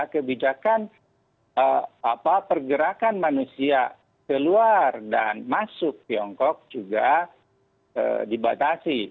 kebijakan pergerakan manusia keluar dan masuk tiongkok juga dibatasi